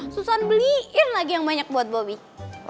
susan beliin lagi yang banyak buat bobby